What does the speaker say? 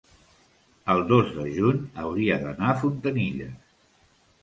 el dos de juny hauria d'anar a Fontanilles.